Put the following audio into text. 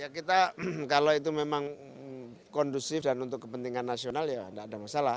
ya kita kalau itu memang kondusif dan untuk kepentingan nasional ya tidak ada masalah